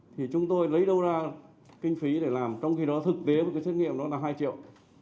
thì chúng tôi lấy đâu ra kinh phí để làm trong khi đó thực tế một cái xét nghiệm đó là hai triệu